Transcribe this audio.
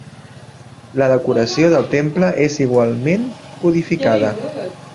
La decoració del temple és igualment codificada.